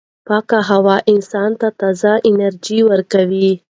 پاکه هوا انسان ته تازه انرژي ورکوي.